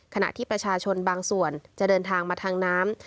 ขณะที่ประชาชนบางส่วนจะเดินทางมาทางน้ำ